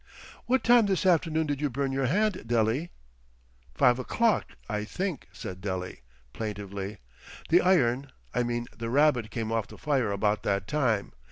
What time this afternoon did you burn your hand, Dele?" "Five o'clock, I think," said Dele, plaintively. "The iron—I mean the rabbit came off the fire about that time.